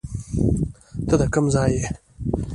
ته د کم ځای یې